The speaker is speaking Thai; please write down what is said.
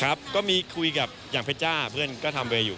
ครับก็มีคุยกับอย่างเพชรจ้าเพื่อนก็ทำเวย์อยู่